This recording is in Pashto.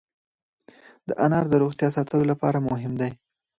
انار د روغتیا ساتلو لپاره مهم دی.